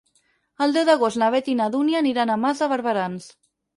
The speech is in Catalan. El deu d'agost na Beth i na Dúnia aniran a Mas de Barberans.